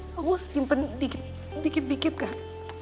kamu simpen dikit dikit kak